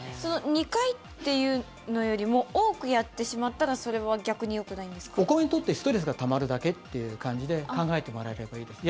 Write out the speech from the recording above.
２回というのよりも多くやってしまったらお米にとってストレスがたまるだけっていう感じで考えてもらえればいいです。